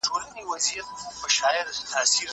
زه به مېوې وچولي وي؟